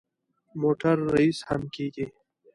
موټر ریس هم کېږي.